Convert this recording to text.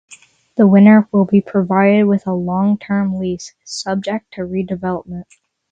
The winner will be provided with a long-term lease, subject to redevelopment.